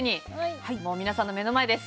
もう皆さんの目の前です。